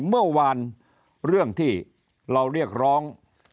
เมื่อวานเรื่องที่เราเรียกร้อง